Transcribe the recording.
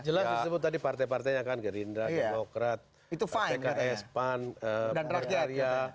jelas disebut tadi partai partainya kan gerindra demokrat pt kts pan pembangunan area